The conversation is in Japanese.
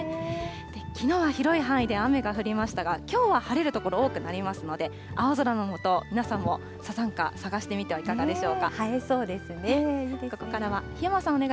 きのうは広い範囲で雨が降りましたが、きょうは晴れる所多くなりますので、青空の下、皆さんもサザンカ、探してみてはいかがでし映えそうですね、いいですね。